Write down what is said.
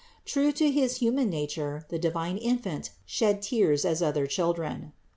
True to his human nature, the divine Infant shed tears as other children.